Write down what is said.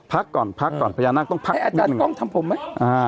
พักก่อนพักก่อนพญานาคต้องพักให้อาจารย์กล้องทำผมไหม